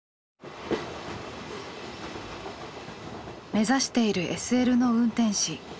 目指しているＳＬの運転士。